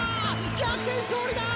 逆転勝利だ！